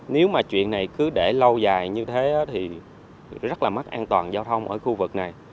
nếu mà chuyện này cứ để lâu dài như thế thì rất là mất an toàn giao thông ở khu vực này